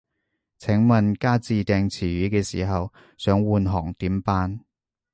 請問加自訂詞語嘅時候，想換行點辦